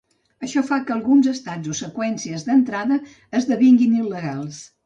Això fa que alguns estats o seqüències d'entrada esdevinguin il·legals.